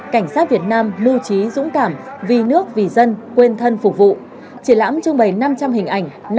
cảnh sát việt nam mưu trí dũng cảm vì nước vì dân quên thân phục vụ triển lãm trưng bày năm trăm linh hình ảnh